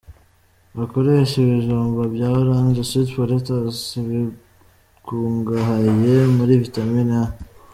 Bakoresha ibijumba bya Orange sweet Potatoes bikungahaye muri Vitamine A.